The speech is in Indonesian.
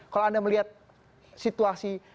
kalau anda melihat situasi